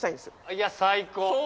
いや最高。